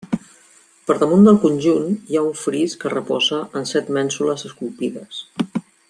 Per damunt del conjunt hi ha un fris que reposa en set mènsules esculpides.